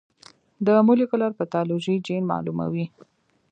د مولېکولر پیتالوژي جین معلوموي.